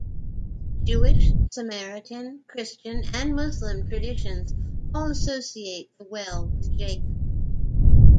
Jewish, Samaritan, Christian, and Muslim traditions all associate the well with Jacob.